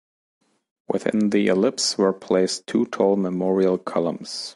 Within the ellipse were placed two tall memorial columns.